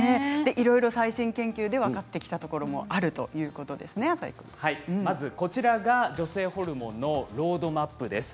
いろいろ最新研究で分かってきたこともこちらが女性ホルモンのロードマップです。